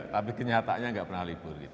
tapi kenyataannya enggak pernah libur kita